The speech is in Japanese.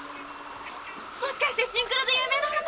もしかしてシンクロで有名なあの唯高！？